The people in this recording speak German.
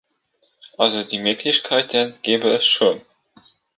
Also die Möglichkeiten gäbe es schon.